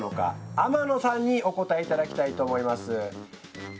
天野さんにお答え頂きたいと思います！